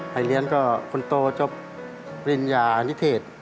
ไปเรียนก็คนโตจบปริญญานิเทศ